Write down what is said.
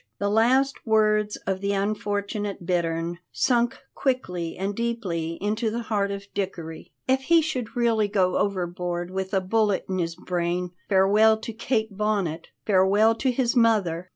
The last words of the unfortunate Bittern sunk quickly and deeply into the heart of Dickory. If he should really go overboard with a bullet in his brain, farewell to Kate Bonnet, farewell to his mother!